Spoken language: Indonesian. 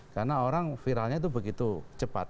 karena orang viralnya itu begitu cepat